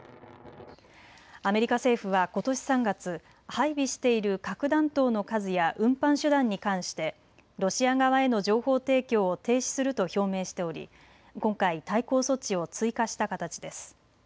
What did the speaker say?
アメリカ政府はことし３月、配備している核弾頭の数や運搬手段に関してロシア側への情報提供を停止すると表明しており今回、対抗措置を追加した形です。